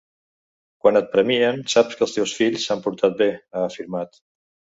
“Quan et premien, saps que els teus fills s’han portat bé”, ha afirmat.